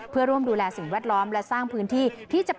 เพื่อร่วมดูแลสิ่งแวดล้อมและสร้างพื้นที่ที่จะเป็น